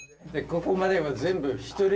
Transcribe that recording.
ここまでは全部一人で？